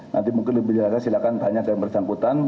nanti mungkin lebih jelasnya silahkan tanya ke yang bersangkutan